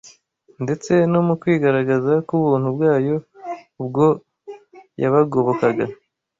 ndetse no mu kwigaragaza k’ubuntu bwayo ubwo yabagobokaga